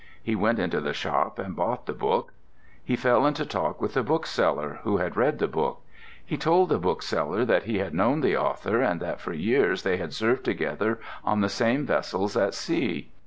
He went into the shop and bought the book. He fell into talk with the bookseller, who had read the book. He told the bookseller that he had known the author, and that for years they had served together on the same vessels at sea.